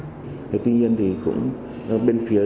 tuy nhiên bên phía chủ đầu tư thì cũng chưa làm được cái việc này